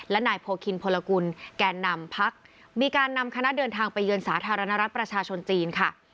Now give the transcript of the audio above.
และนายโพคินพลกุลแก่นำพักมีการนำคณะเดินทางไปเยือนสาธารณรัฐประชาชนจีนค่ะ